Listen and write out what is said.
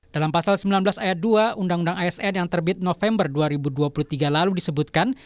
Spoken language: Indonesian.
dalam pasal sembilan belas ayat dua undang undang asn yang terbit november dua ribu dua puluh tiga lalu disebutkan